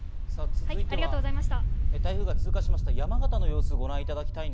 続いては台風が通過しました山形の様子をご覧いただきます。